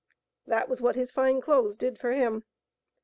That was what his fine clothes did for him.